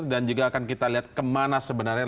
dan juga akan kita lihat kemana sebenarnya